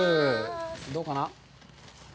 どうかな？